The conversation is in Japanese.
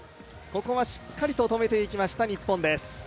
ここはしっかりと止めていきました、日本です。